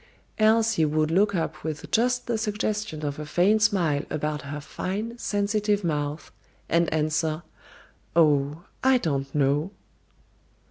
Elsie would look up with just the suggestion of a faint smile about her fine, sensitive mouth and answer, "Oh, I don't know."